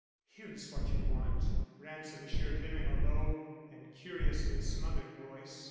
"Here is what you want," Ransom assured him in a low and curiously smothered voice.